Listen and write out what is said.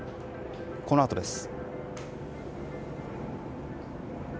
このあとです。